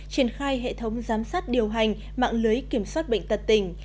triển khai hệ thống giám sát điều hành mạng lưới kiểm soát bệnh tật tỉnh